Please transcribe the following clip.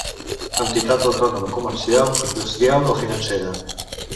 Entitat autònoma comercial, industrial o financera.